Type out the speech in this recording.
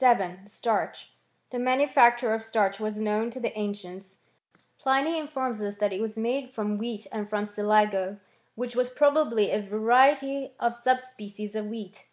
VII. — STARCH. The manufacture of .starch was known to the an cients. Pliny informs iis that it was made from wheat and from siligo, which was probably a variety or sub species of wheat.